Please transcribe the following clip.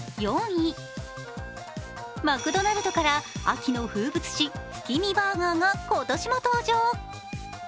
マクドナルドから秋の風物詩・月見バーガーが今年も登場。